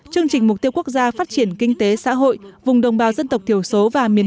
chương trình mục tiêu quốc gia phát triển kinh tế xã hội vùng đồng bào dân tộc thiểu số và miền